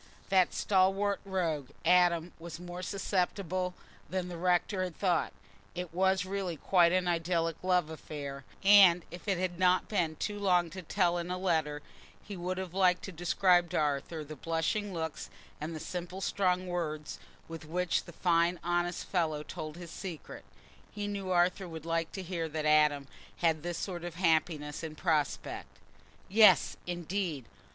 That stalwart rogue Adam was more susceptible than the rector had thought; it was really quite an idyllic love affair; and if it had not been too long to tell in a letter, he would have liked to describe to Arthur the blushing looks and the simple strong words with which the fine honest fellow told his secret. He knew Arthur would like to hear that Adam had this sort of happiness in prospect. Yes, indeed!